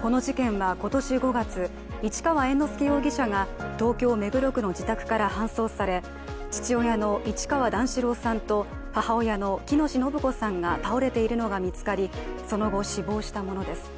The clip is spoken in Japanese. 子の事件は今年５月、市川猿之助容疑者が東京・目黒区の自宅から搬送され父親の市川段四郎さんと母親の喜熨斗延子さんが倒れているのが見つかりその後、死亡したものです。